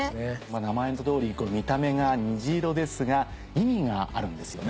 名前の通り見た目が虹色ですが意味があるんですよね？